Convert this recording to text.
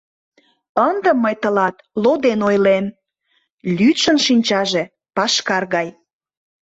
— Ынде мый тылат «лоден» ойлем: лӱдшын шинчаже — пашкар гай...